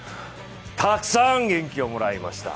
たくさん、元気をもらいました！